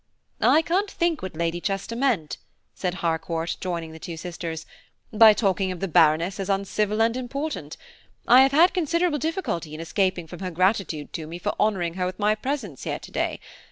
"I can't think what Lady Chester meant," said Harcourt, joining the two sisters, "by talking of the Baroness as uncivil and important. I have had considerable difficulty in escaping from her gratitude to me for honouring her with my presence here to day.